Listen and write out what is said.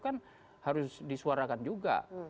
kan harus disuarakan juga